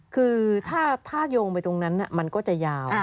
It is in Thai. คือถ้าโยงไปตรงนั้นมันก็จะยาว